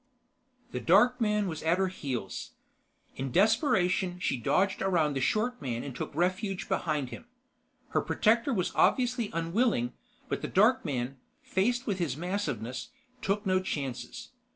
The dark man was at her heels. In desperation, she dodged around the short man and took refuge behind him. Her protector was obviously unwilling, but the dark man, faced with his massiveness, took no chances.